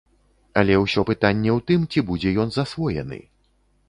Але ўсё пытанне ў тым, ці будзе ён засвоены.